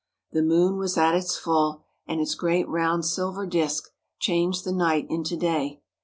The moon was at its full, and its great round silver disk changed the night into day.